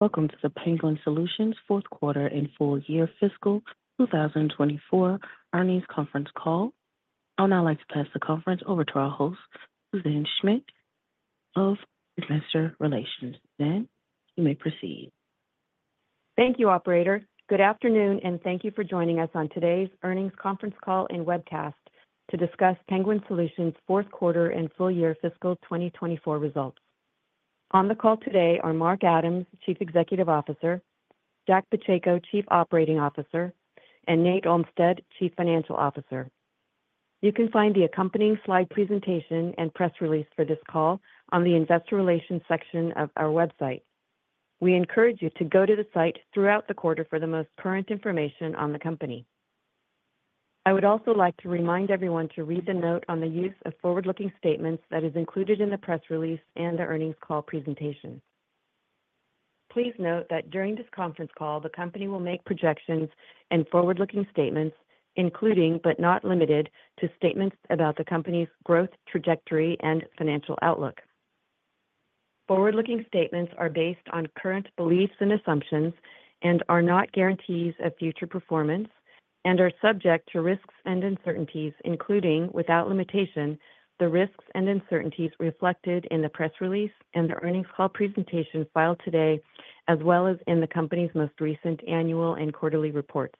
Welcome to the Penguin Solutions fourth quarter and full year fiscal two thousand and twenty-four earnings conference call. I would now like to pass the conference over to our host, Suzanne Schmidt of Investor Relations. Suzanne, you may proceed. Thank you, operator. Good afternoon, and thank you for joining us on today's earnings conference call and webcast to discuss Penguin Solutions' fourth quarter and full year fiscal 2024 results. On the call today are Mark Adams, Chief Executive Officer, Jack Pacheco, Chief Operating Officer, and Nate Olmstead, Chief Financial Officer. You can find the accompanying slide presentation and press release for this call on the Investor Relations section of our website. We encourage you to go to the site throughout the quarter for the most current information on the company. I would also like to remind everyone to read the note on the use of forward-looking statements that is included in the press release and the earnings call presentation. Please note that during this conference call, the company will make projections and forward-looking statements, including but not limited to, statements about the company's growth, trajectory, and financial outlook. Forward-looking statements are based on current beliefs and assumptions and are not guarantees of future performance and are subject to risks and uncertainties, including, without limitation, the risks and uncertainties reflected in the press release and the earnings call presentation filed today, as well as in the company's most recent annual and quarterly reports.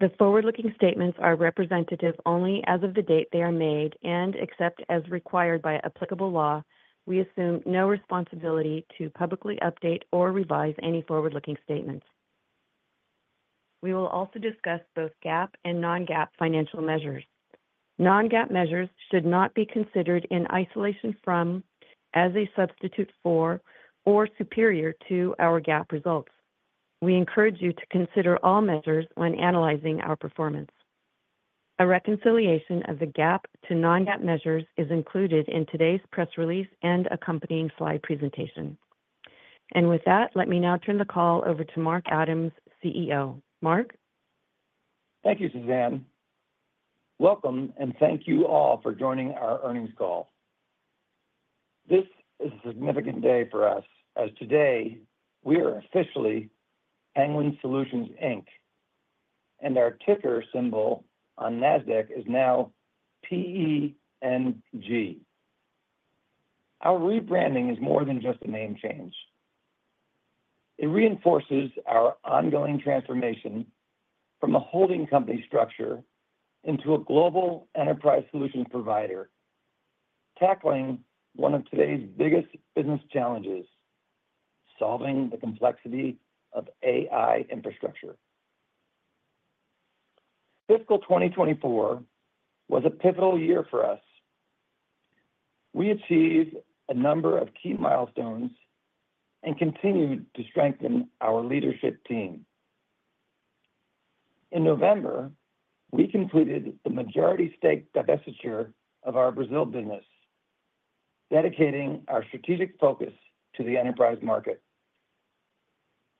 The forward-looking statements are representative only as of the date they are made, and except as required by applicable law, we assume no responsibility to publicly update or revise any forward-looking statements. We will also discuss both GAAP and non-GAAP financial measures. Non-GAAP measures should not be considered in isolation from, as a substitute for, or superior to our GAAP results. We encourage you to consider all measures when analyzing our performance. A reconciliation of the GAAP to non-GAAP measures is included in today's press release and accompanying slide presentation. With that, let me now turn the call over to Mark Adams, CEO. Mark? Thank you, Suzanne. Welcome, and thank you all for joining our earnings call. This is a significant day for us, as today, we are officially Penguin Solutions, Inc., and our ticker symbol on Nasdaq is now PENG. Our rebranding is more than just a name change. It reinforces our ongoing transformation from a holding company structure into a global enterprise solutions provider, tackling one of today's biggest business challenges: solving the complexity of AI infrastructure. Fiscal 2024 was a pivotal year for us. We achieved a number of key milestones and continued to strengthen our leadership team. In November, we completed the majority stake divestiture of our Brazil business, dedicating our strategic focus to the enterprise market.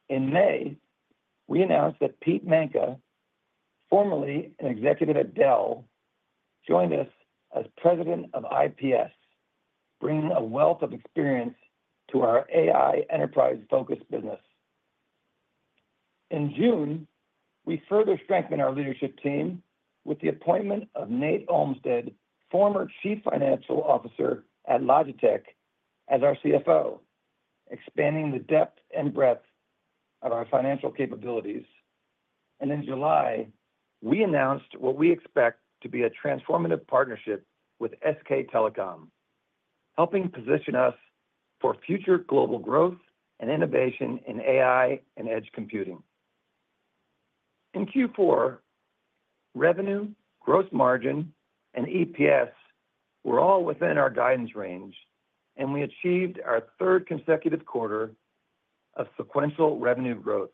In May, we announced that Pete Manca, formerly an executive at Dell, joined us as President of IPS, bringing a wealth of experience to our AI enterprise-focused business. In June, we further strengthened our leadership team with the appointment of Nate Olmstead, former Chief Financial Officer at Logitech, as our CFO, expanding the depth and breadth of our financial capabilities. And in July, we announced what we expect to be a transformative partnership with SK Telecom, helping position us for future global growth and innovation in AI and edge computing. In Q4, revenue, gross margin, and EPS were all within our guidance range, and we achieved our third consecutive quarter of sequential revenue growth.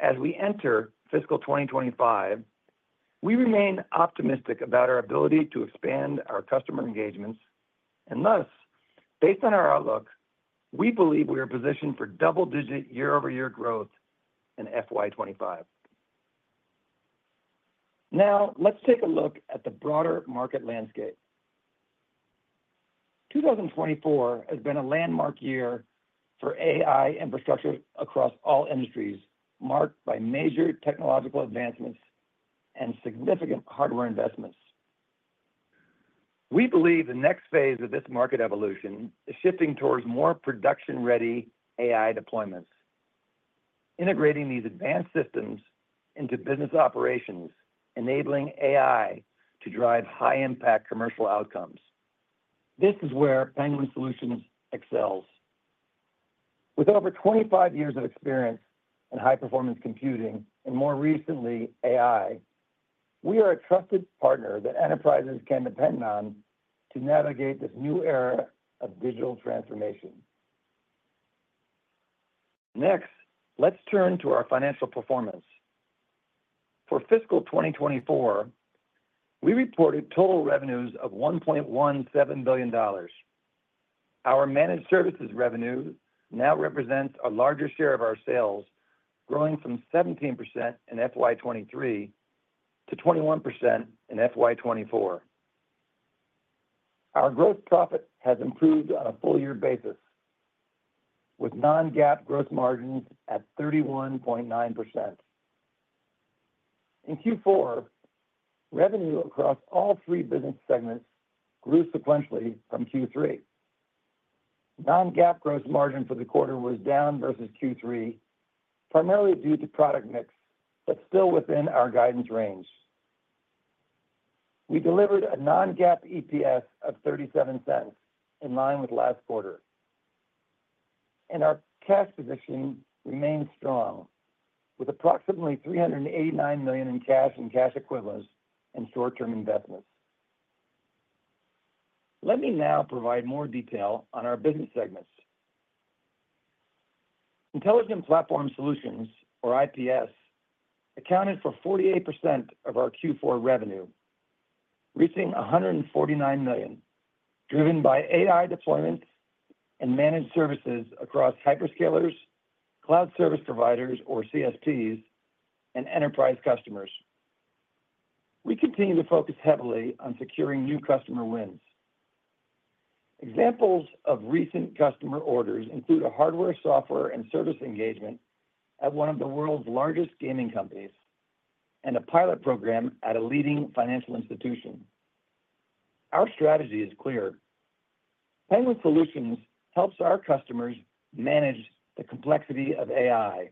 As we enter fiscal 2025, we remain optimistic about our ability to expand our customer engagements, and thus, based on our outlook, we believe we are positioned for double-digit year-over-year growth in FY 2025. Now, let's take a look at the broader market landscape. 2024 has been a landmark year for AI infrastructure across all industries, marked by major technological advancements and significant hardware investments. We believe the next phase of this market evolution is shifting towards more production-ready AI deployments, integrating these advanced systems into business operations, enabling AI to drive high-impact commercial outcomes. This is where Penguin Solutions excels. With over 25 years of experience in high-performance computing, and more recently, AI, we are a trusted partner that enterprises can depend on to navigate this new era of digital transformation. Next, let's turn to our financial performance. For fiscal 2024, we reported total revenues of $1.17 billion. Our managed services revenue now represents a larger share of our sales, growing from 17% in FY 2023 to 21% in FY 2024. Our gross profit has improved on a full year basis, with non-GAAP gross margins at 31.9%. In Q4, revenue across all three business segments grew sequentially from Q3. Non-GAAP gross margin for the quarter was down versus Q3, primarily due to product mix, but still within our guidance range. We delivered a non-GAAP EPS of $0.37, in line with last quarter, and our cash position remains strong, with approximately $389 million in cash and cash equivalents and short-term investments. Let me now provide more detail on our business segments. Intelligent Platform Solutions, or IPS, accounted for 48% of our Q4 revenue, reaching $149 million, driven by AI deployments and managed services across hyperscalers, cloud service providers, or CSPs, and enterprise customers. We continue to focus heavily on securing new customer wins. Examples of recent customer orders include a hardware, software, and service engagement at one of the world's largest gaming companies and a pilot program at a leading financial institution. Our strategy is clear: Penguin Solutions helps our customers manage the complexity of AI,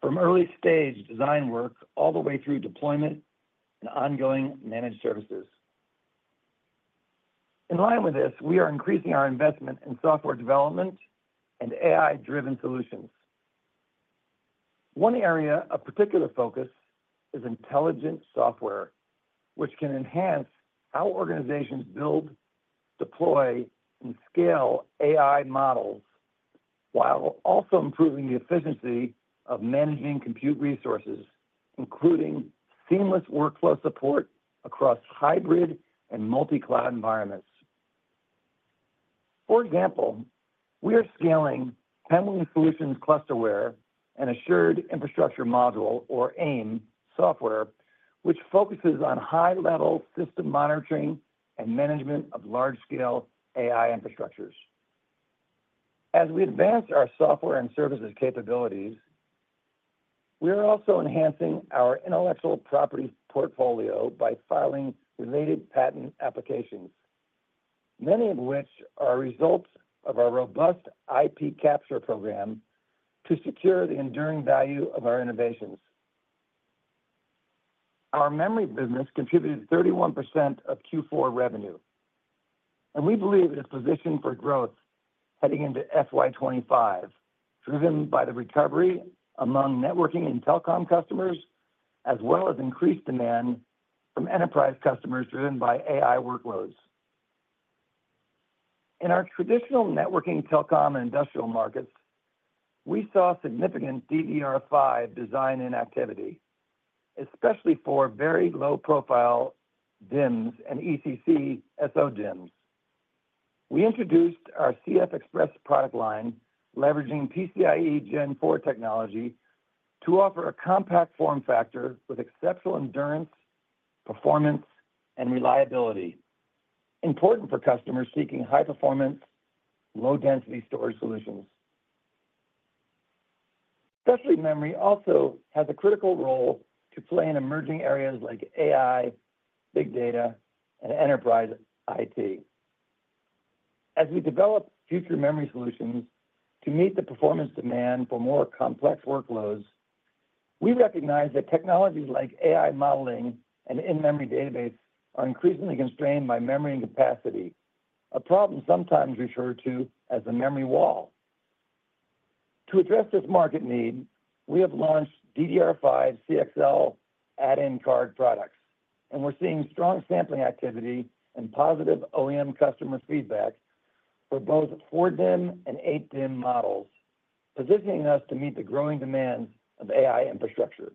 from early-stage design work all the way through deployment and ongoing managed services. In line with this, we are increasing our investment in software development and AI-driven solutions. One area of particular focus is intelligent software, which can enhance how organizations build, deploy, and scale AI models, while also improving the efficiency of managing compute resources, including seamless workflow support across hybrid and multi-cloud environments. For example, we are scaling Penguin Solutions Clusterware and Assured Infrastructure Module, or AIM software, which focuses on high-level system monitoring and management of large-scale AI infrastructures. As we advance our software and services capabilities, we are also enhancing our intellectual property portfolio by filing related patent applications, many of which are results of our robust IP capture program to secure the enduring value of our innovations. Our memory business contributed 31% of Q4 revenue, and we believe it is positioned for growth heading into FY 2025, driven by the recovery among networking and telecom customers, as well as increased demand from enterprise customers driven by AI workloads. In our traditional networking, telecom, and industrial markets, we saw significant DDR5 design and activity, especially for very low-profile DIMMs and ECC SO-DIMMs. We introduced our CFexpress product line, leveraging PCIe Gen 4 technology, to offer a compact form factor with exceptional endurance, performance, and reliability, important for customers seeking high-performance, low-density storage solutions. Specialty memory also has a critical role to play in emerging areas like AI, big data, and enterprise IT. As we develop future memory solutions to meet the performance demand for more complex workloads, we recognize that technologies like AI modeling and in-memory database are increasingly constrained by memory and capacity, a problem sometimes referred to as the memory wall. To address this market need, we have launched DDR5 CXL Add-in Card products, and we're seeing strong sampling activity and positive OEM customer feedback for both four-DIMM and eight-DIMM models, positioning us to meet the growing demand of AI infrastructure.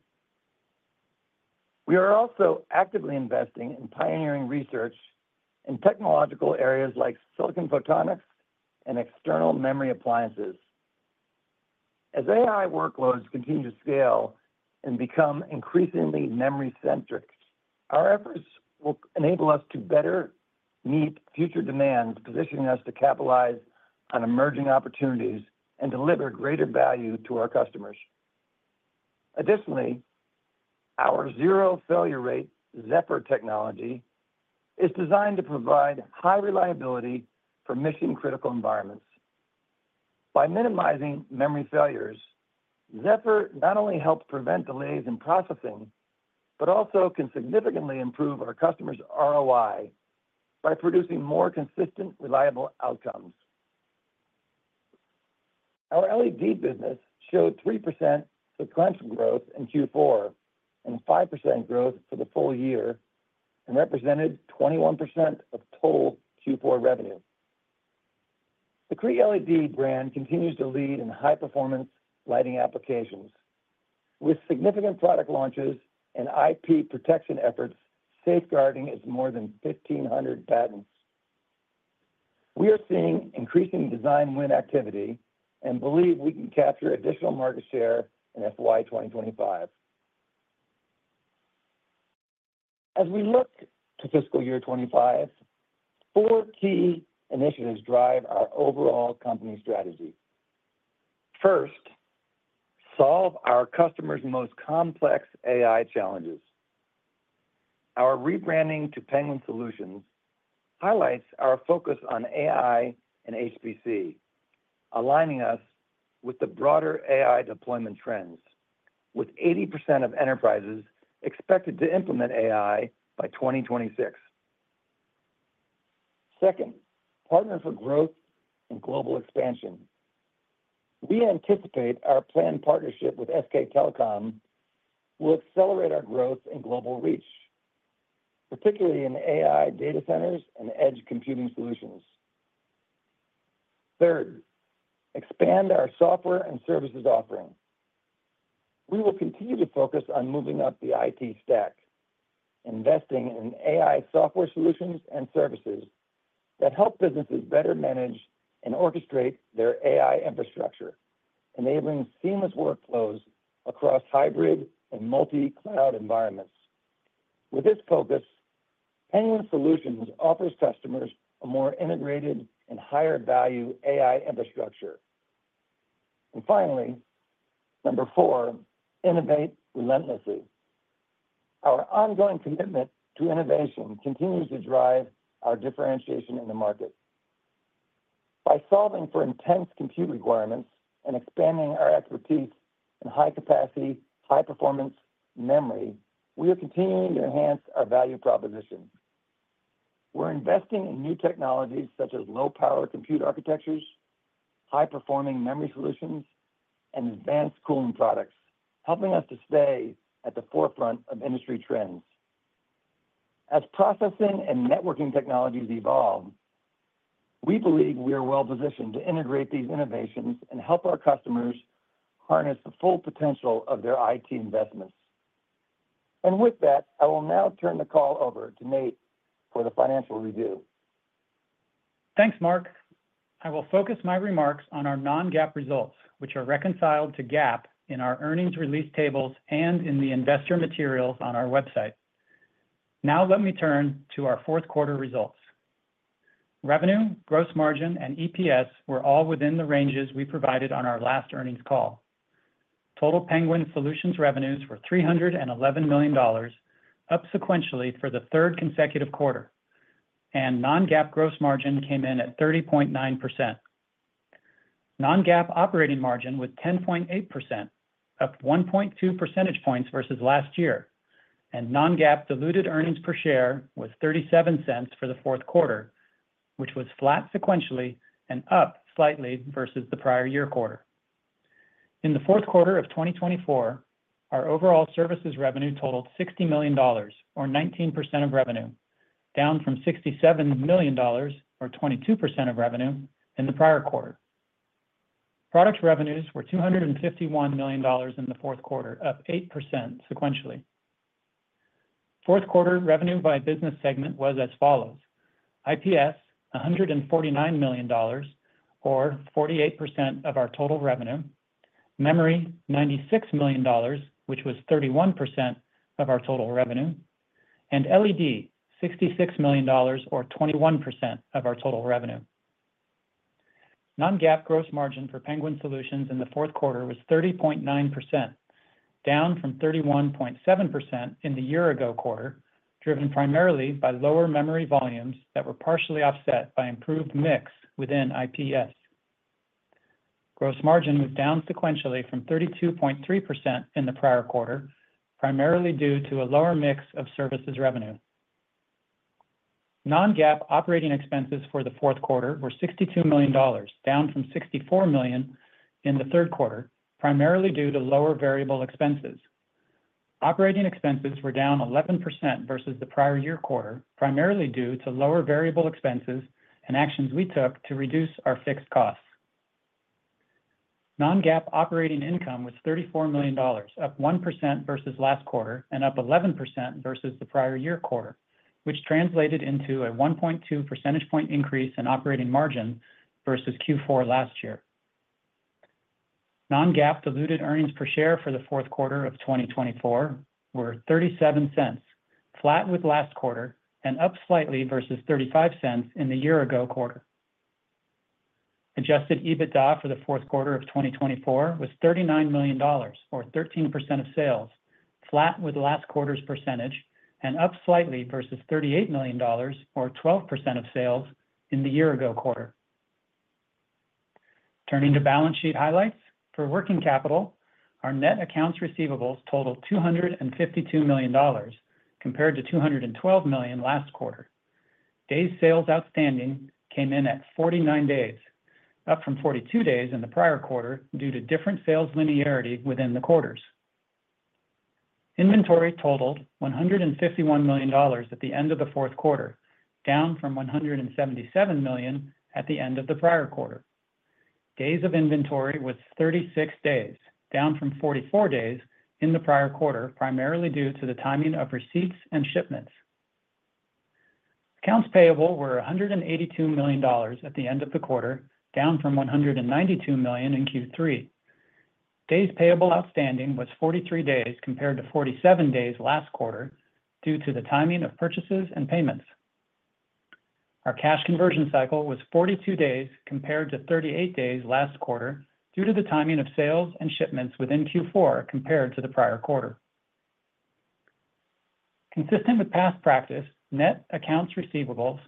We are also actively investing in pioneering research in technological areas like silicon photonics and external memory appliances. As AI workloads continue to scale and become increasingly memory-centric, our efforts will enable us to better meet future demands, positioning us to capitalize on emerging opportunities and deliver greater value to our customers. Additionally, our Zero Failure Rate, Zefr technology, is designed to provide high reliability for mission-critical environments. By minimizing memory failures, Zefr not only helps prevent delays in processing, but also can significantly improve our customers' ROI by producing more consistent, reliable outcomes. Our LED business showed 3% sequential growth in Q4 and 5% growth for the full year and represented 21% of total Q4 revenue. The Cree LED brand continues to lead in high-performance lighting applications with significant product launches and IP protection efforts, safeguarding its more than 1,500 patents. We are seeing increasing design win activity and believe we can capture additional market share in FY 2025. As we look to fiscal year 2025, four key initiatives drive our overall company strategy. First, solve our customers' most complex AI challenges. Our rebranding to Penguin Solutions highlights our focus on AI and HPC, aligning us with the broader AI deployment trends, with 80% of enterprises expected to implement AI by 2026. Second, partner for growth and global expansion. We anticipate our planned partnership with SK Telecom will accelerate our growth and global reach, particularly in AI data centers and edge computing solutions. Third, expand our software and services offering. We will continue to focus on moving up the IT stack, investing in AI software solutions and services that help businesses better manage and orchestrate their AI infrastructure, enabling seamless workflows across hybrid and multi-cloud environments. With this focus, Penguin Solutions offers customers a more integrated and higher-value AI infrastructure. And finally, number four, innovate relentlessly. Our ongoing commitment to innovation continues to drive our differentiation in the market. By solving for intense compute requirements and expanding our expertise in high-capacity, high-performance memory, we are continuing to enhance our value proposition. We're investing in new technologies such as low-power compute architectures, high-performing memory solutions, and advanced cooling products, helping us to stay at the forefront of industry trends. As processing and networking technologies evolve, we believe we are well-positioned to integrate these innovations and help our customers harness the full potential of their IT investments, and with that, I will now turn the call over to Nate for the financial review. Thanks, Mark. I will focus my remarks on our non-GAAP results, which are reconciled to GAAP in our earnings release tables and in the investor materials on our website. Now let me turn to our fourth quarter results. Revenue, gross margin, and EPS were all within the ranges we provided on our last earnings call. Total Penguin Solutions revenues were $311 million, up sequentially for the third consecutive quarter, and non-GAAP gross margin came in at 30.9%. Non-GAAP operating margin was 10.8%, up 1.2 percentage points versus last year, and non-GAAP diluted earnings per share was $0.37 for the fourth quarter, which was flat sequentially and up slightly versus the prior year quarter. In the fourth quarter of 2024, our overall services revenue totaled $60 million, or 19% of revenue, down from $67 million, or 22% of revenue, in the prior quarter. Product revenues were $251 million in the fourth quarter, up 8% sequentially. Fourth quarter revenue by business segment was as follows: IPS, $149 million, or 48% of our total revenue, memory, $96 million, which was 31% of our total revenue, and LED, $66 million, or 21% of our total revenue. Non-GAAP gross margin for Penguin Solutions in the fourth quarter was 30.9%, down from 31.7% in the year-ago quarter, driven primarily by lower memory volumes that were partially offset by improved mix within IPS. Gross margin was down sequentially from 32.3% in the prior quarter, primarily due to a lower mix of services revenue. Non-GAAP operating expenses for the fourth quarter were $62 million, down from $64 million in the third quarter, primarily due to lower variable expenses. Operating expenses were down 11% versus the prior year quarter, primarily due to lower variable expenses and actions we took to reduce our fixed costs. Non-GAAP operating income was $34 million, up 1% versus last quarter and up 11% versus the prior year quarter, which translated into a 1.2 percentage point increase in operating margin versus Q4 last year. Non-GAAP diluted earnings per share for the fourth quarter of 2024 were $0.37, flat with last quarter and up slightly versus $0.35 in the year-ago quarter. Adjusted EBITDA for the fourth quarter of 2024 was $39 million, or 13% of sales, flat with last quarter's percentage and up slightly versus $38 million, or 12% of sales, in the year-ago quarter. Turning to balance sheet highlights. For working capital, our net accounts receivables totaled $252 million, compared to $212 million last quarter. Days sales outstanding came in at 49 days, up from 42 days in the prior quarter, due to different sales linearity within the quarters. Inventory totaled $151 million at the end of the fourth quarter, down from $177 million at the end of the prior quarter. Days of inventory was 36 days, down from 44 days in the prior quarter, primarily due to the timing of receipts and shipments. Accounts payable were $182 million at the end of the quarter, down from $192 million in Q3. Days payable outstanding was 43 days, compared to 47 days last quarter, due to the timing of purchases and payments. Our cash conversion cycle was 42 days, compared to 38 days last quarter, due to the timing of sales and shipments within Q4 compared to the prior quarter. Consistent with past practice, net accounts receivables,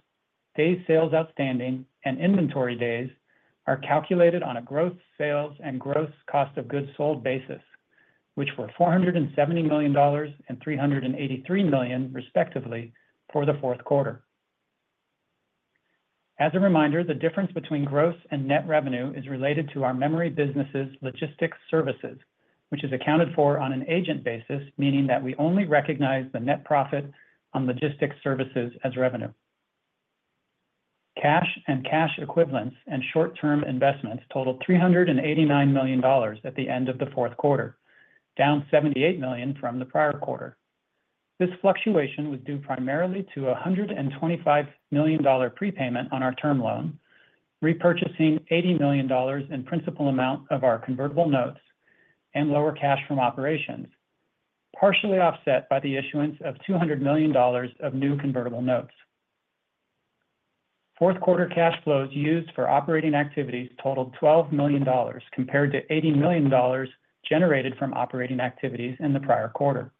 days sales outstanding, and inventory days are calculated on a gross sales and gross cost of goods sold basis, which were $470 million and $383 million, respectively, for the fourth quarter. As a reminder, the difference between gross and net revenue is related to our memory business' logistics services, which is accounted for on an agent basis, meaning that we only recognize the net profit on logistics services as revenue. Cash and cash equivalents and short-term investments totaled $389 million at the end of the fourth quarter, down $78 million from the prior quarter. This fluctuation was due primarily to a $125 million prepayment on our term loan, repurchasing $80 million in principal amount of our convertible notes, and lower cash from operations, partially offset by the issuance of $200 million of new convertible notes. Fourth quarter cash flows used for operating activities totaled $12 million, compared to $80 million generated from operating activities in the prior quarter.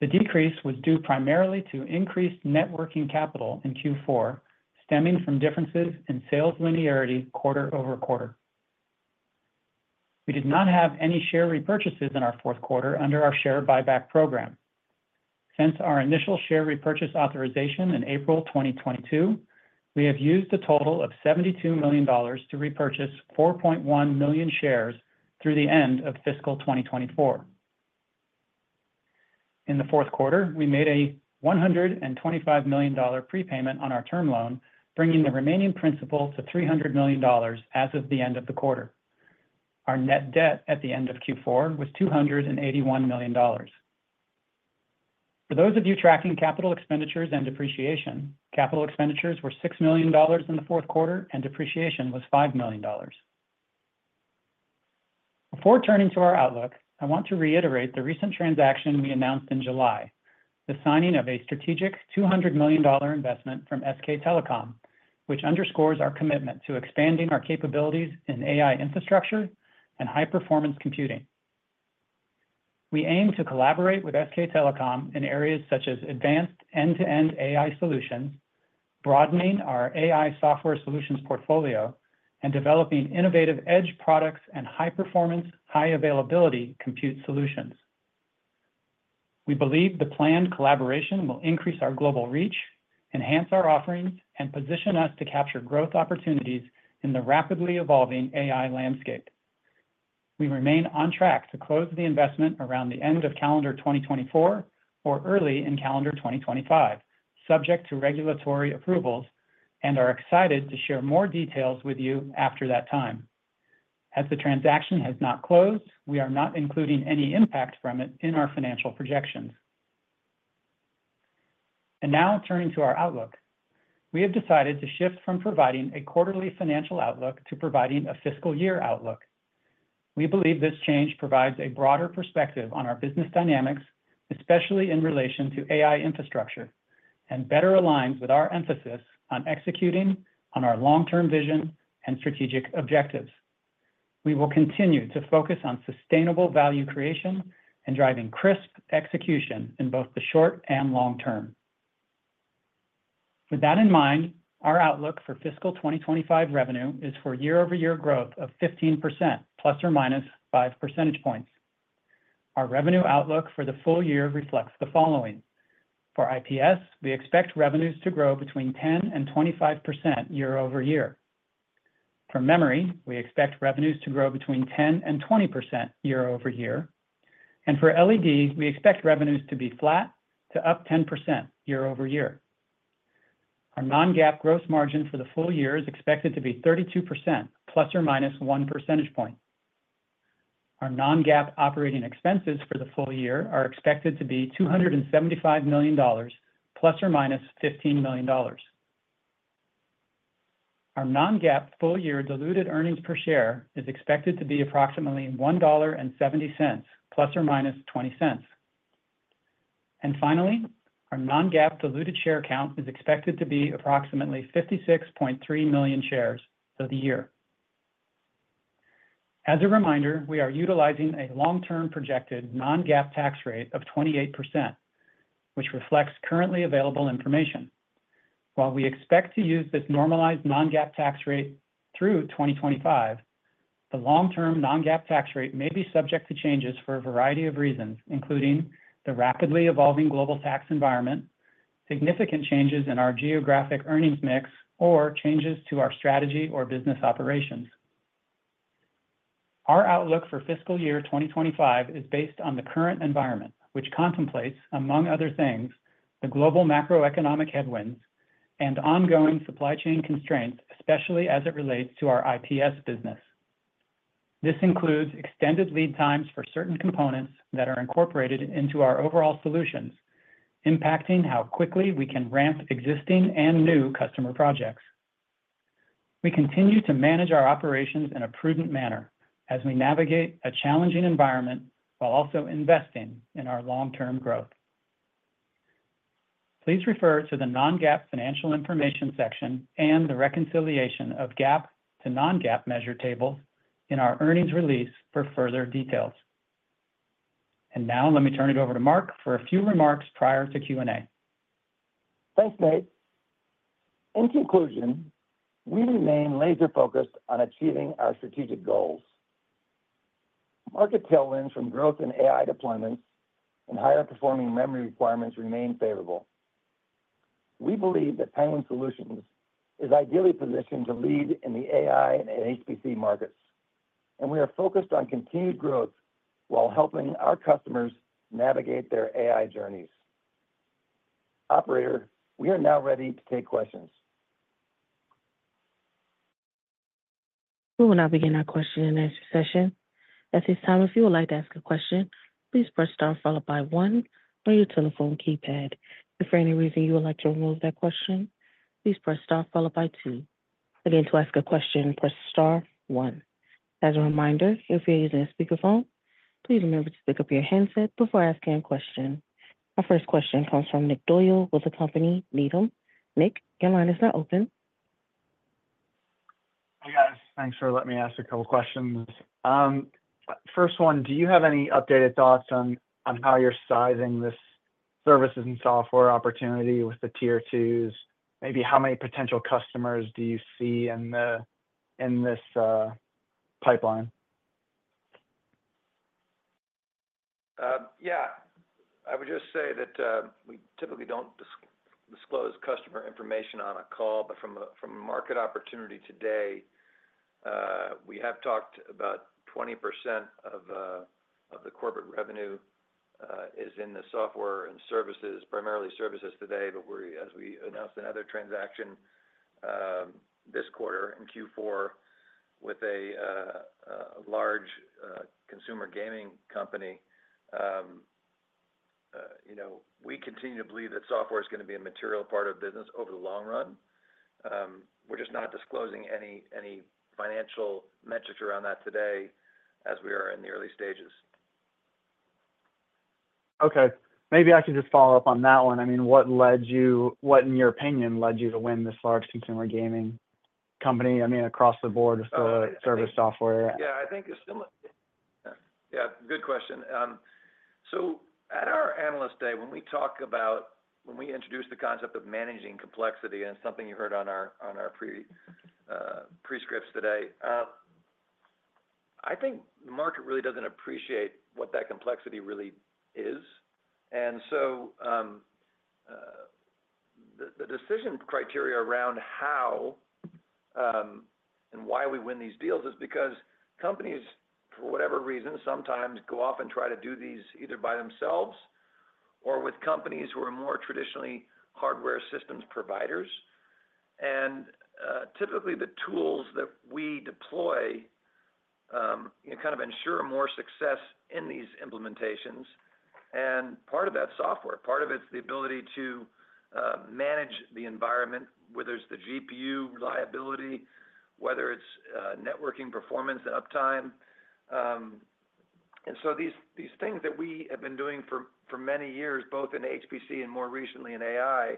The decrease was due primarily to increased net working capital in Q4, stemming from differences in sales linearity quarter over quarter. We did not have any share repurchases in our fourth quarter under our share buyback program. Since our initial share repurchase authorization in April 2022, we have used a total of $72 million to repurchase 4.1 million shares through the end of fiscal 2024. In the fourth quarter, we made a $125 million prepayment on our term loan, bringing the remaining principal to $300 million as of the end of the quarter. Our net debt at the end of Q4 was $281 million. For those of you tracking capital expenditures and depreciation, capital expenditures were $6 million in the fourth quarter, and depreciation was $5 million. Before turning to our outlook, I want to reiterate the recent transaction we announced in July, the signing of a strategic $200 million investment from SK Telecom, which underscores our commitment to expanding our capabilities in AI infrastructure and high-performance computing. We aim to collaborate with SK Telecom in areas such as advanced end-to-end AI solutions, broadening our AI software solutions portfolio, and developing innovative edge products and high-performance, high-availability compute solutions. We believe the planned collaboration will increase our global reach, enhance our offerings, and position us to capture growth opportunities in the rapidly evolving AI landscape. We remain on track to close the investment around the end of calendar 2024 or early in calendar 2025, subject to regulatory approvals, and are excited to share more details with you after that time. As the transaction has not closed, we are not including any impact from it in our financial projections. Now, turning to our outlook. We have decided to shift from providing a quarterly financial outlook to providing a fiscal year outlook. We believe this change provides a broader perspective on our business dynamics, especially in relation to AI infrastructure, and better aligns with our emphasis on executing on our long-term vision and strategic objectives. We will continue to focus on sustainable value creation and driving crisp execution in both the short and long term. With that in mind, our outlook for fiscal 2025 revenue is for year-over-year growth of 15%, plus or minus five percentage points. Our revenue outlook for the full year reflects the following: For IPS, we expect revenues to grow between 10% and 25% year over year. For memory, we expect revenues to grow between 10% and 20% year over year. And for LED, we expect revenues to be flat to up 10% year over year. Our non-GAAP gross margin for the full year is expected to be 32%, plus or minus 1 percentage point. Our non-GAAP operating expenses for the full year are expected to be $275 million, plus or minus $15 million. Our non-GAAP full-year diluted earnings per share is expected to be approximately $1.70, plus or minus $0.20. And finally, our non-GAAP diluted share count is expected to be approximately 56.3 million shares for the year. As a reminder, we are utilizing a long-term projected non-GAAP tax rate of 28%, which reflects currently available information. While we expect to use this normalized non-GAAP tax rate through 2025, the long-term non-GAAP tax rate may be subject to changes for a variety of reasons, including the rapidly evolving global tax environment, significant changes in our geographic earnings mix, or changes to our strategy or business operations. Our outlook for fiscal year 2025 is based on the current environment, which contemplates, among other things, the global macroeconomic headwinds and ongoing supply chain constraints, especially as it relates to our IPS business. This includes extended lead times for certain components that are incorporated into our overall solutions, impacting how quickly we can ramp existing and new customer projects. We continue to manage our operations in a prudent manner as we navigate a challenging environment, while also investing in our long-term growth. Please refer to the non-GAAP financial information section and the reconciliation of GAAP to non-GAAP measure table in our earnings release for further details, and now let me turn it over to Mark for a few remarks prior to Q&A. Thanks, Nate. In conclusion, we remain laser focused on achieving our strategic goals. Market tailwinds from growth in AI deployments and higher performing memory requirements remain favorable. We believe that Penguin Solutions is ideally positioned to lead in the AI and HPC markets, and we are focused on continued growth while helping our customers navigate their AI journeys. Operator, we are now ready to take questions. We will now begin our question and answer session. At this time, if you would like to ask a question, please press star followed by one on your telephone keypad. If for any reason you would like to remove that question, please press star followed by two. Again, to ask a question, press star one. As a reminder, if you're using a speakerphone, please remember to pick up your handset before asking a question. Our first question comes from Nick Doyle with the company Needham. Nick, your line is now open. Hi, guys. Thanks for letting me ask a couple questions. First one, do you have any updated thoughts on how you're sizing this services and software opportunity with the tier twos? Maybe how many potential customers do you see in this pipeline? Yeah. I would just say that we typically don't disclose customer information on a call, but from a market opportunity today, we have talked about 20% of the corporate revenue is in the software and services, primarily services today. But we're, as we announced another transaction this quarter in Q4 with a large consumer gaming company, you know, we continue to believe that software is gonna be a material part of business over the long run. We're just not disclosing any financial metrics around that today as we are in the early stages. Okay. Maybe I could just follow up on that one. I mean, what, in your opinion, led you to win this large consumer gaming company? I mean, across the board with the service software? Yeah, good question. So at our Analyst Day, when we introduced the concept of managing complexity, and it's something you heard on our prepared remarks today, I think the market really doesn't appreciate what that complexity really is. And so, the decision criteria around how and why we win these deals is because companies, for whatever reason, sometimes go off and try to do these either by themselves or with companies who are more traditionally hardware systems providers. And typically, the tools that we deploy, you know, kind of ensure more success in these implementations. And part of that software, part of it is the ability to manage the environment, whether it's the GPU reliability, whether it's networking performance and uptime. And so these things that we have been doing for many years, both in HPC and more recently in AI,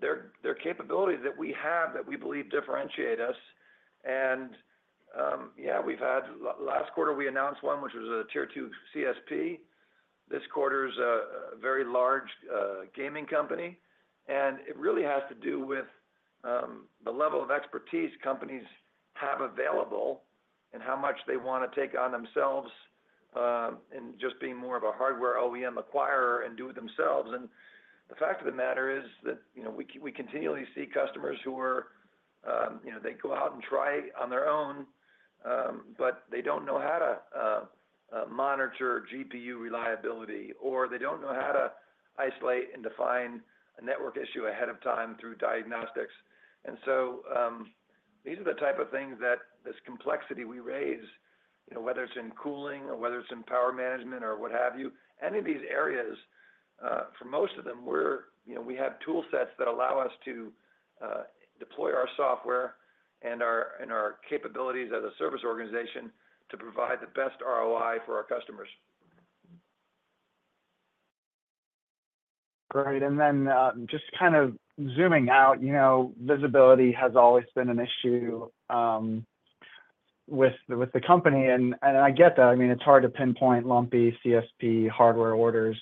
they're capabilities that we have that we believe differentiate us. And yeah, we've had last quarter, we announced one, which was a tier two CSP. This quarter is a very large gaming company, and it really has to do with the level of expertise companies have available and how much they want to take on themselves, and just being more of a hardware OEM acquirer and do it themselves. The fact of the matter is that, you know, we continually see customers who are, you know, they go out and try on their own, but they don't know how to monitor GPU reliability, or they don't know how to isolate and define a network issue ahead of time through diagnostics. These are the type of things that this complexity we raise, you know, whether it's in cooling or whether it's in power management or what have you, any of these areas, for most of them, we're, you know, we have tool sets that allow us to deploy our software and our capabilities as a service organization to provide the best ROI for our customers. Great. And then, just kind of zooming out, you know, visibility has always been an issue with the company, and I get that. I mean, it's hard to pinpoint lumpy CSP hardware orders.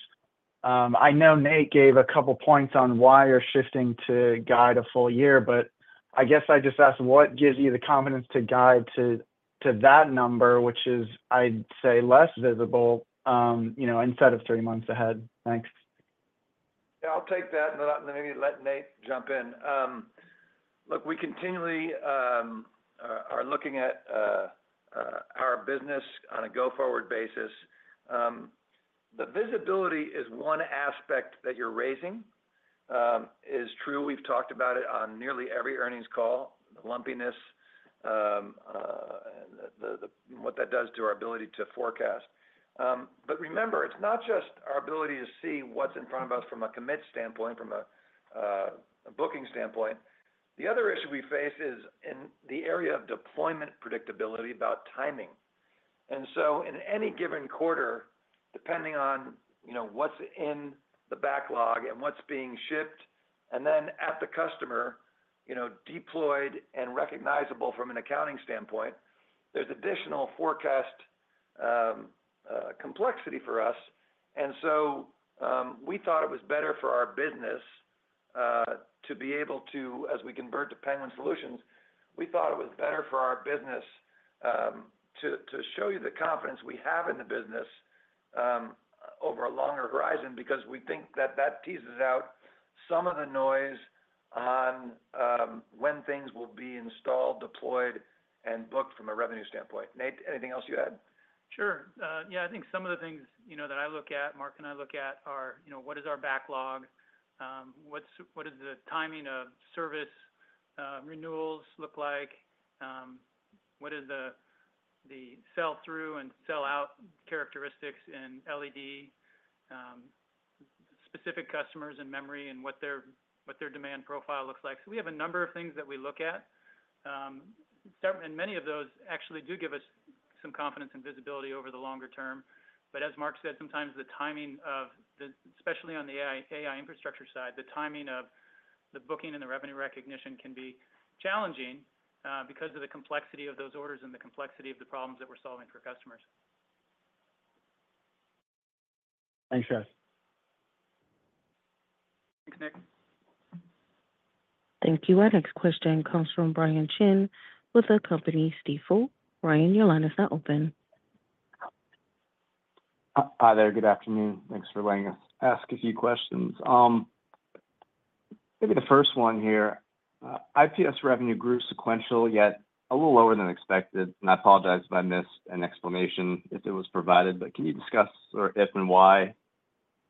I know Nate gave a couple points on why you're shifting to guide a full year, but I guess I just ask, what gives you the confidence to guide to that number, which is, I'd say, less visible, you know, instead of three months ahead? Thanks. I'll take that, and then maybe let Nate jump in. Look, we continually are looking at our business on a go-forward basis. The visibility is one aspect that you're raising. It is true, we've talked about it on nearly every earnings call, the lumpiness, and what that does to our ability to forecast. But remember, it's not just our ability to see what's in front of us from a commit standpoint, from a booking standpoint. The other issue we face is in the area of deployment predictability, about timing. And so in any given quarter, depending on, you know, what's in the backlog and what's being shipped, and then at the customer, you know, deployed and recognizable from an accounting standpoint, there's additional forecast complexity for us. And so, we thought it was better for our business to be able to, as we convert to Penguin Solutions, we thought it was better for our business to show you the confidence we have in the business over a longer horizon, because we think that that teases out some of the noise on when things will be installed, deployed, and booked from a revenue standpoint. Nate, anything else you add? Sure. Yeah, I think some of the things, you know, that I look at, Mark and I look at are, you know, what is our backlog, what is the timing of service renewals look like, what is the sell-through and sell-out characteristics in LED, specific customers and memory, and what their demand profile looks like. So we have a number of things that we look at. Several and many of those actually do give us some confidence and visibility over the longer term. But as Mark said, sometimes the timing of especially on the AI, AI infrastructure side, the timing of the booking and the revenue recognition can be challenging, because of the complexity of those orders and the complexity of the problems that we're solving for customers. Thanks, guys. Thanks, Nick. Thank you. Our next question comes from Brian Chin with the company Stifel. Brian, your line is now open. Hi there. Good afternoon. Thanks for letting us ask a few questions. Maybe the first one here, IPS revenue grew sequential, yet a little lower than expected. And I apologize if I missed an explanation, if it was provided, but can you discuss sort of if and why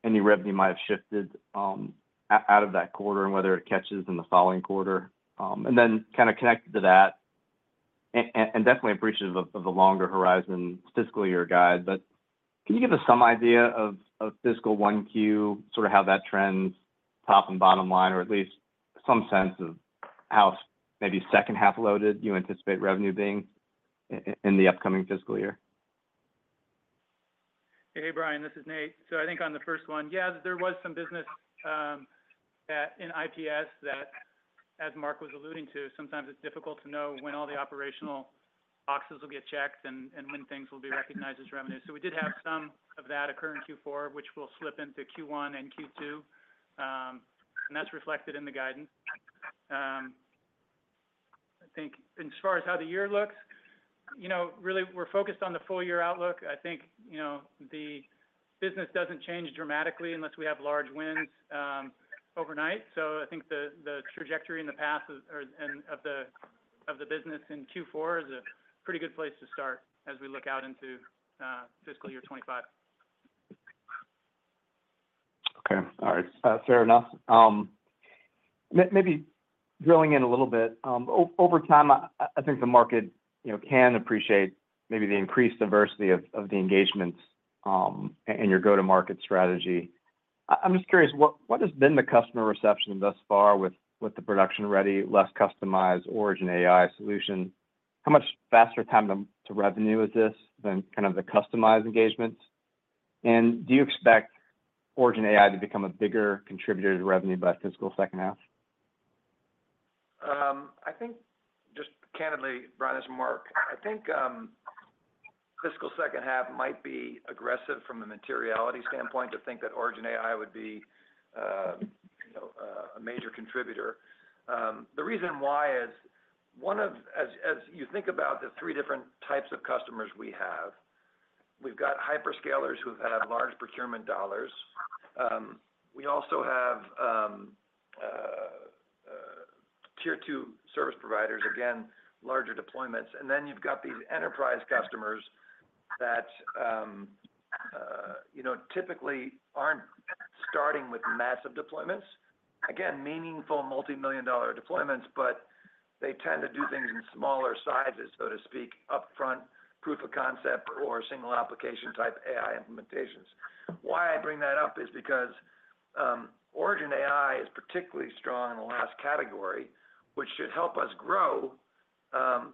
any revenue might have shifted out of that quarter, and whether it catches in the following quarter? And then kind of connected to that, and definitely appreciative of the longer horizon fiscal year guide, but can you give us some idea of fiscal one Q, sort of how that trends top and bottom line, or at least some sense of how maybe second half loaded you anticipate revenue being in the upcoming fiscal year? Hey, Brian, this is Nate. So I think on the first one, yes, there was some business in IPS that, as Mark was alluding to, sometimes it's difficult to know when all the operational boxes will get checked and when things will be recognized as revenue. So we did have some of that occur in Q4, which will slip into Q1 and Q2, and that's reflected in the guidance. I think as far as how the year looks, you know, really, we're focused on the full year outlook. I think, you know, the business doesn't change dramatically unless we have large wins overnight. So I think the trajectory of the business in Q4 is a pretty good place to start as we look out into fiscal year 2025. Okay. All right. Fair enough. Maybe drilling in a little bit, over time, I think the market, you know, can appreciate maybe the increased diversity of the engagements, and your go-to-market strategy. I'm just curious, what has been the customer reception thus far with the production-ready, less customized Origin AI solution? How much faster time to revenue is this than kind of the customized engagements? And do you expect Origin AI to become a bigger contributor to revenue by fiscal second half? I think just candidly, Brian, as Mark, I think, fiscal second half might be aggressive from a materiality standpoint, to think that Origin AI would be, you know, a major contributor. The reason why is, one of-- as you think about the three different types of customers we have, we've got hyperscalers who've had large procurement dollars, we also have, tier two service providers, again, larger deployments, and then you've got these enterprise customers that, you know, typically aren't starting with massive deployments. Again, meaningful multimillion-dollar deployments, but they tend to do things in smaller sizes, so to speak, upfront, proof of concept or single application type AI implementations. Why I bring that up is because, Origin AI is particularly strong in the last category, which should help us grow,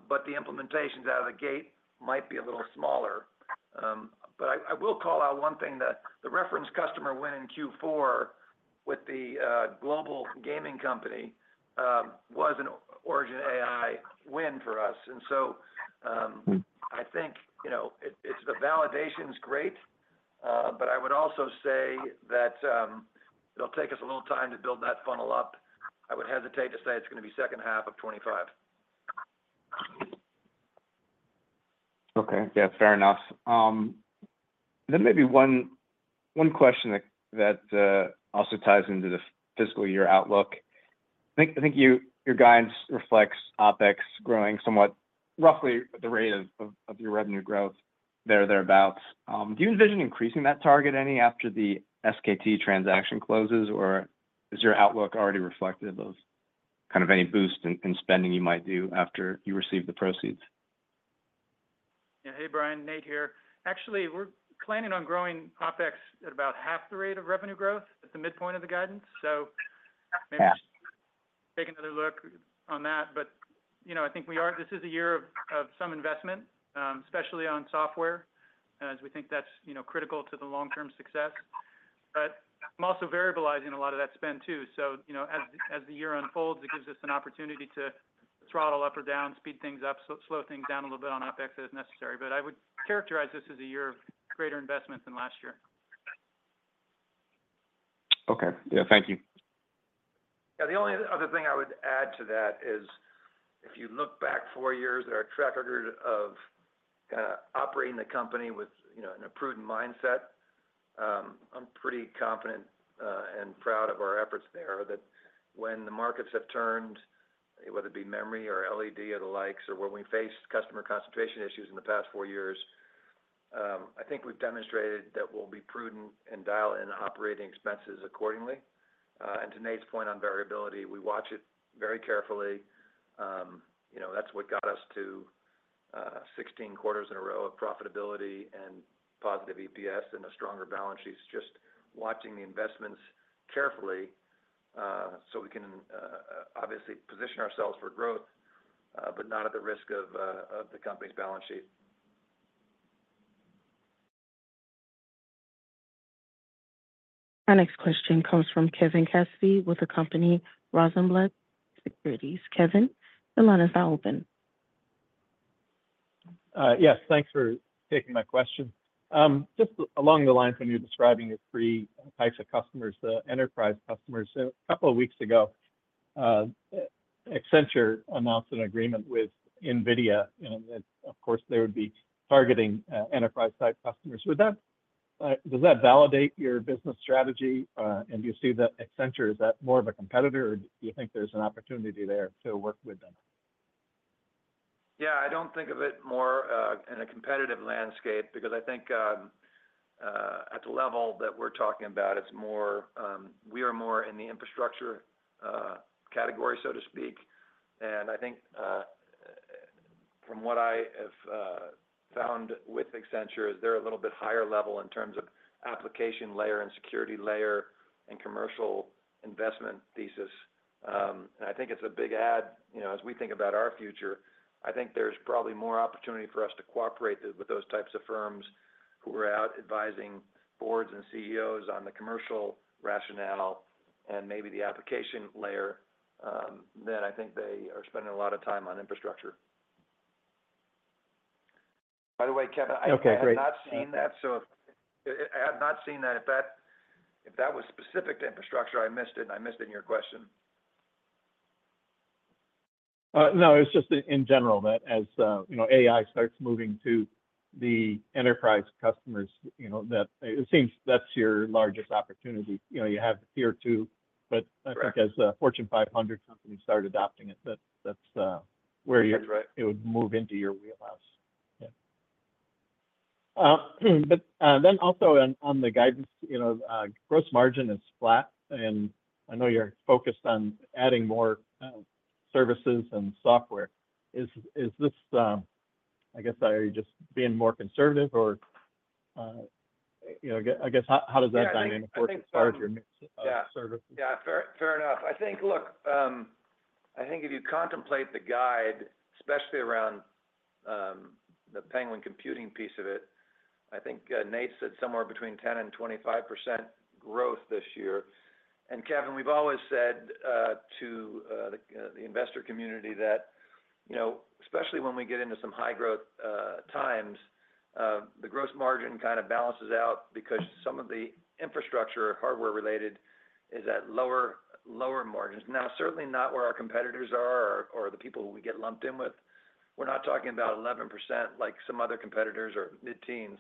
but the implementations out of the gate might be a little smaller. But I will call out one thing, the reference customer win in Q4 with the global gaming company, was an Origin AI win for us. And so, I think, you know, the validation is great, but I would also say that, it'll take us a little time to build that funnel up. I would hesitate to say it's gonna be second half of twenty-five. Okay. Yeah, fair enough. Then maybe one question that also ties into the fiscal year outlook. I think your guidance reflects OpEx growing somewhat roughly the rate of your revenue growth thereabout. Do you envision increasing that target any after the SKT transaction closes, or is your outlook already reflected those kind of any boost in spending you might do after you receive the proceeds? Yeah. Hey, Brian, Nate here. Actually, we're planning on growing OpEx at about half the rate of revenue growth at the midpoint of the guidance. So maybe take another look on that. But, you know, I think we are. This is a year of some investment, especially on software, as we think that's, you know, critical to the long-term success. But I'm also variabilizing a lot of that spend, too. So, you know, as the year unfolds, it gives us an opportunity to throttle up or down, speed things up, slow things down a little bit on OpEx as necessary. But I would characterize this as a year of greater investment than last year. Okay. Yeah. Thank you. Yeah, the only other thing I would add to that is, if you look back four years at our track record of operating the company with, you know, an improved mindset, I'm pretty confident and proud of our efforts there, that when the markets have turned, whether it be memory or LED or the likes, or when we faced customer concentration issues in the past four years, I think we've demonstrated that we'll be prudent and dial in operating expenses accordingly. And to Nate's point on variability, we watch it very carefully. You know, that's what got us to sixteen quarters in a row of profitability and positive EPS and a stronger balance sheet, is just watching the investments carefully, so we can obviously position ourselves for growth, but not at the risk of the company's balance sheet. Our next question comes from Kevin Cassidy with the company Rosenblatt Securities. Kevin, the line is now open. Yes, thanks for taking my question. Just along the lines when you're describing the three types of customers, the enterprise customers. So a couple of weeks ago, Accenture announced an agreement with NVIDIA, and of course, they would be targeting enterprise-side customers. Does that validate your business strategy? And do you see that Accenture, is that more of a competitor, or do you think there's an opportunity there to work with them? Yeah, I don't think of it more in a competitive landscape because I think at the level that we're talking about, it's more... We are more in the infrastructure category, so to speak. And I think from what I have found with Accenture is they're a little bit higher level in terms of application layer and security layer and commercial investment thesis. And I think it's a big add. You know, as we think about our future, I think there's probably more opportunity for us to cooperate with those types of firms who are out advising boards and CEOs on the commercial rationale and maybe the application layer than I think they are spending a lot of time on infrastructure. By the way, Kevin, Okay, great. I have not seen that. If that was specific to infrastructure, I missed it, and I missed it in your question. No, it was just in general, that as you know, AI starts moving to the enterprise customers, you know, that it seems that's your largest opportunity. You know, you have Tier two? Correct. But I think as a Fortune 500 company started adopting it, that's where- That's right It would move into your wheelhouse. Yeah. But then also on the guidance, you know, gross margin is flat, and I know you're focused on adding more services and software. Is this, I guess, are you just being more conservative or, you know, I guess, how does that dynamic work as far as your service? Yeah, fair enough. I think, look, I think if you contemplate the guide, especially around the Penguin Computing piece of it, I think Nate said somewhere between 10% and 25% growth this year. And Kevin, we've always said to the investor community that, you know, especially when we get into some high growth times, the gross margin kind of balances out because some of the infrastructure, hardware related, is at lower margins. Now, certainly not where our competitors are or the people we get lumped in with. We're not talking about 11%, like some other competitors or mid-teens,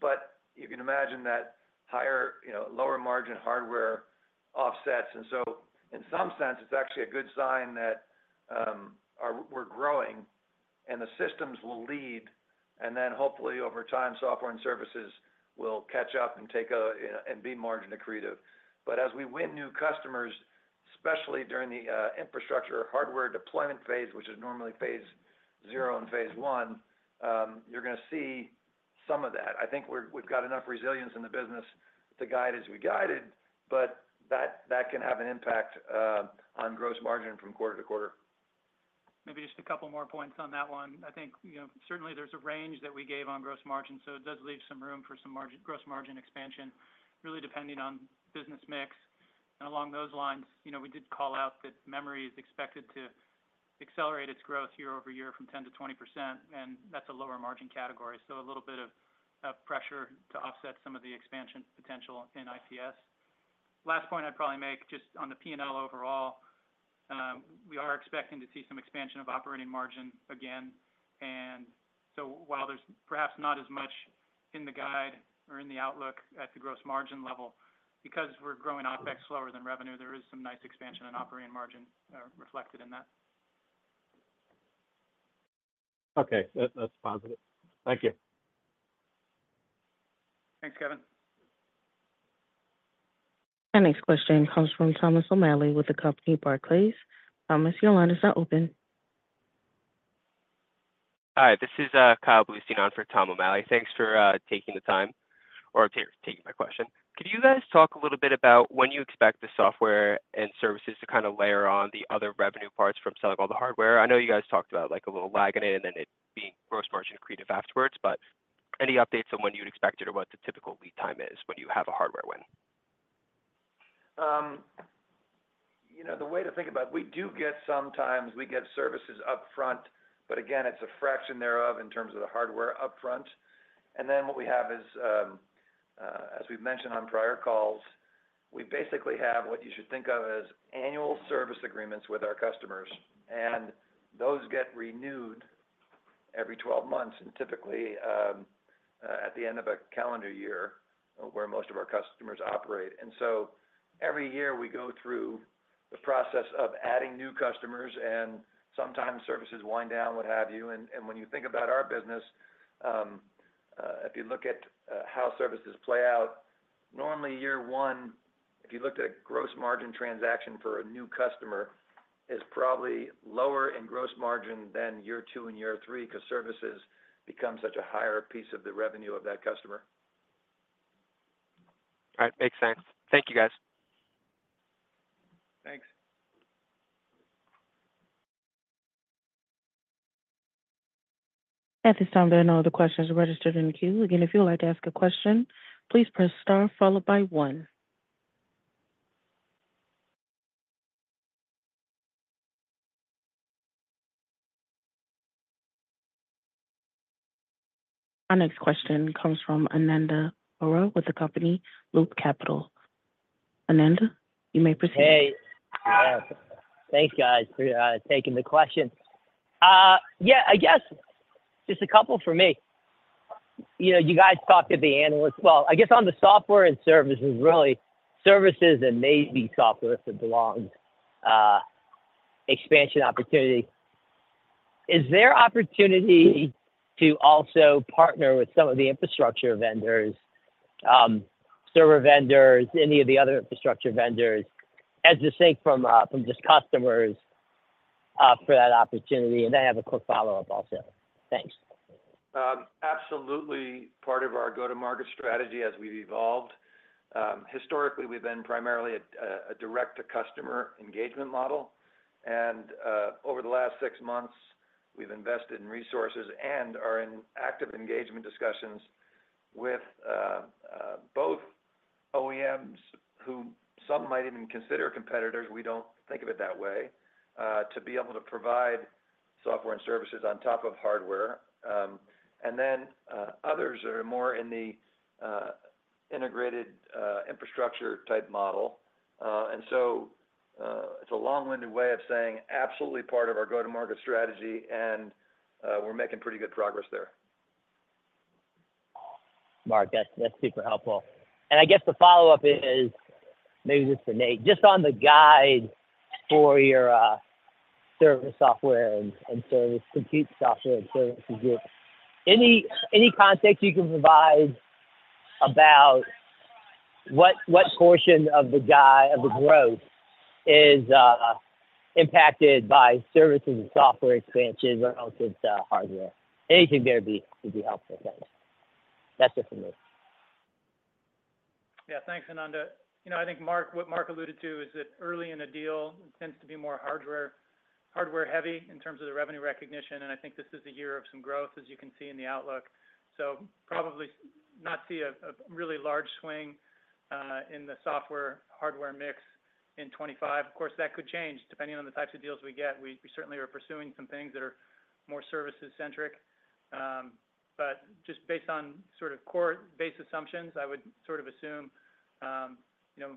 but you can imagine that higher, you know, lower margin hardware offsets. And so in some sense, it's actually a good sign that we're growing and the systems will lead, and then hopefully over time, software and services will catch up and take a, and be margin accretive. But as we win new customers, especially during the infrastructure hardware deployment phase, which is normally phase zero and phase one, you're gonna see some of that. I think we've got enough resilience in the business to guide as we guided, but that can have an impact on gross margin from quarter to quarter. Maybe just a couple more points on that one. I think, you know, certainly there's a range that we gave on gross margin, so it does leave some room for some margin - gross margin expansion, really depending on business mix. And along those lines, you know, we did call out that memory is expected to accelerate its growth year over year from 10% to 20%, and that's a lower margin category. So a little bit of pressure to offset some of the expansion potential in IPS. Last point I'd probably make, just on the P&L overall, we are expecting to see some expansion of operating margin again. And so while there's perhaps not as much in the guide or in the outlook at the gross margin level, because we're growing OpEx slower than revenue, there is some nice expansion in operating margin, reflected in that. Okay, that, that's positive. Thank you. Thanks, Kevin. Our next question comes from Thomas O'Malley, with the company Barclays. Thomas, your line is now open. Hi, this is Kyle Bluestein in for Tom O'Malley. Thanks for taking the time or taking my question. Could you guys talk a little bit about when you expect the software and services to kind of layer on the other revenue parts from selling all the hardware? I know you guys talked about, like, a little lag in it, and then it being gross margin accretive afterwards, but any updates on when you'd expect it or what the typical lead time is when you have a hardware win? You know, the way to think about it, we do get, sometimes, services upfront, but again, it's a fraction thereof in terms of the hardware upfront, and then what we have is, as we've mentioned on prior calls, we basically have what you should think of as annual service agreements with our customers, and those get renewed every twelve months, and typically at the end of a calendar year, where most of our customers operate, and so every year, we go through the process of adding new customers, and sometimes services wind down, what have you. When you think about our business, if you look at how services play out, normally year one, if you looked at a gross margin transaction for a new customer, is probably lower in gross margin than year two and year three, 'cause services become such a higher piece of the revenue of that customer. All right. Makes sense. Thank you, guys. Thanks. At this time, there are no other questions registered in the queue. Again, if you would like to ask a question, please press star followed by one. Our next question comes from Ananda Baruah with the company Loop Capital. Ananda, you may proceed. Hey. Thanks, guys, for taking the question. Yeah, I guess just a couple for me. You know, you guys talked to the analyst. Well, I guess on the software and services, really, services and maybe software, if it belongs, expansion opportunity. Is there opportunity to also partner with some of the infrastructure vendors, server vendors, any of the other infrastructure vendors, aside from just customers, for that opportunity? And I have a quick follow-up also. Thanks. Absolutely part of our go-to-market strategy as we've evolved. Historically, we've been primarily a direct-to-customer engagement model, and over the last six months, we've invested in resources and are in active engagement discussions with both OEMs, who some might even consider competitors. We don't think of it that way, to be able to provide software and services on top of hardware. And then others are more in the integrated infrastructure type model. And so it's a long-winded way of saying absolutely part of our go-to-market strategy, and we're making pretty good progress there. Mark, that's super helpful. I guess the follow-up is, maybe this is for Nate, just on the guide for your service software and service compute software and services group. Any context you can provide about what portion of the growth is impacted by services and software expansion versus hardware? Anything there would be helpful. Thanks. That's just for me. Yeah. Thanks, Ananda. You know, I think Mark, what Mark alluded to is that early in a deal, it tends to be more hardware, hardware-heavy in terms of the revenue recognition, and I think this is a year of some growth, as you can see in the outlook. So probably not see a really large swing in the software-hardware mix in 2025. Of course, that could change, depending on the types of deals we get. We certainly are pursuing some things that are more services-centric. But just based on sort of core base assumptions, I would sort of assume you know,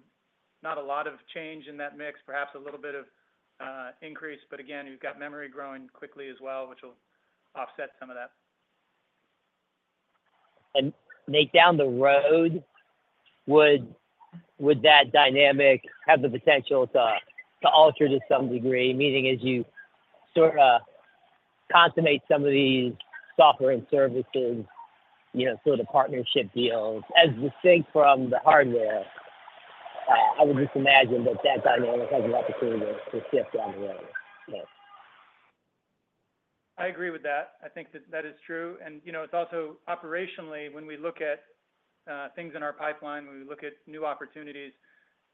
not a lot of change in that mix, perhaps a little bit of increase. But again, you've got memory growing quickly as well, which will offset some of that. Nate, down the road, would that dynamic have the potential to alter to some degree? Meaning, as you sorta consummate some of these software and services, you know, sort of partnership deals, as distinct from the hardware, I would just imagine that dynamic has an opportunity to shift down the road. Yes. I agree with that. I think that that is true, and you know, it's also operationally, when we look at things in our pipeline, when we look at new opportunities,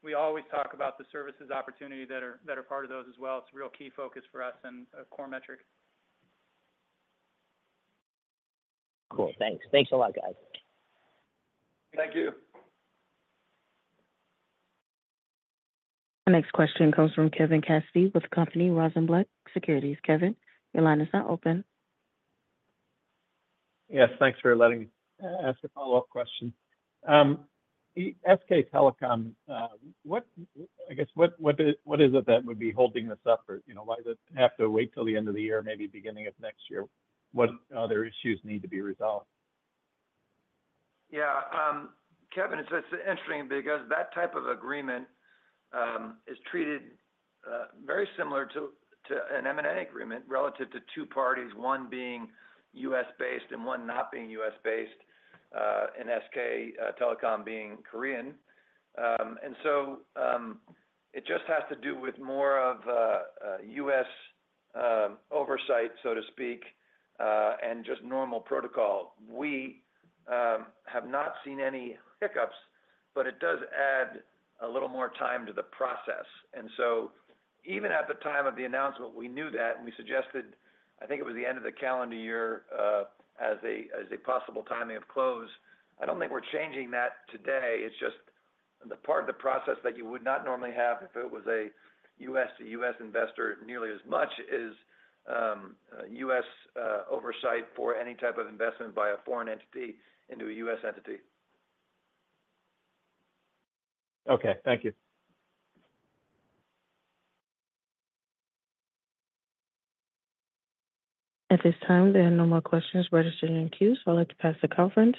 we always talk about the services opportunity that are part of those as well. It's a real key focus for us and a core metric. Cool. Thanks. Thanks a lot, guys. Thank you. The next question comes from Kevin Cassidy, with the company Rosenblatt Securities. Kevin, your line is now open. Yes, thanks for letting me ask a follow-up question. The SK Telecom, what, I guess, what is it that would be holding this up? Or, you know, why does it have to wait till the end of the year, maybe beginning of next year? What other issues need to be resolved? Yeah, Kevin, it's interesting because that type of agreement is treated very similar to an M&A agreement relative to two parties, one being U.S.-based and one not being U.S.-based, and SK Telecom being Korean. And so, it just has to do with more of U.S. oversight, so to speak, and just normal protocol. We have not seen any hiccups, but it does add a little more time to the process. And so even at the time of the announcement, we knew that, and we suggested, I think it was the end of the calendar year, as a possible timing of close. I don't think we're changing that today. It's just the part of the process that you would not normally have if it was a U.S. to U.S. investor, nearly as much as U.S. oversight for any type of investment by a foreign entity into a U.S. entity. Okay. Thank you. At this time, there are no more questions registered in queue, so I'd like to pass the conference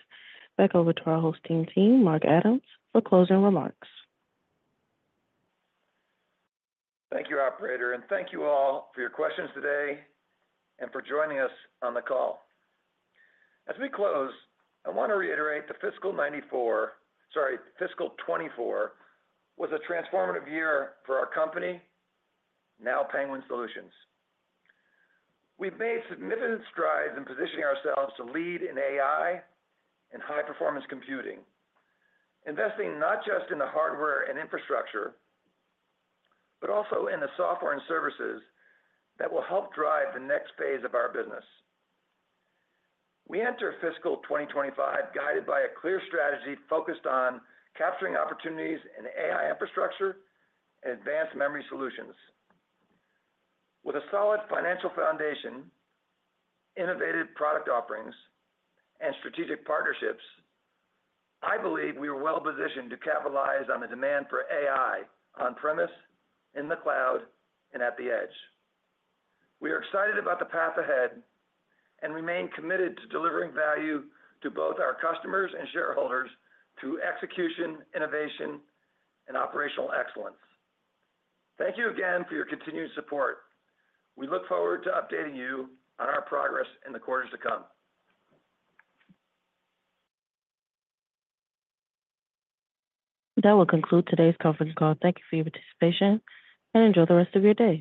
back over to our hosting team, Mark Adams, for closing remarks. Thank you, operator, and thank you all for your questions today and for joining us on the call. As we close, I want to reiterate the fiscal ninety-four, sorry, fiscal twenty-four was a transformative year for our company, now Penguin Solutions. We've made significant strides in positioning ourselves to lead in AI and high-performance computing, investing not just in the hardware and infrastructure, but also in the software and services that will help drive the next phase of our business. We enter fiscal twenty twenty-five, guided by a clear strategy focused on capturing opportunities in AI infrastructure and advanced memory solutions. With a solid financial foundation, innovative product offerings, and strategic partnerships, I believe we are well positioned to capitalize on the demand for AI on-premises, in the cloud, and at the edge. We are excited about the path ahead and remain committed to delivering value to both our customers and shareholders through execution, innovation, and operational excellence. Thank you again for your continued support. We look forward to updating you on our progress in the quarters to come. That will conclude today's conference call. Thank you for your participation, and enjoy the rest of your day.